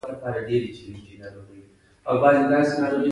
زړه په دقیقه کې پنځه لیټره وینه پمپ کوي.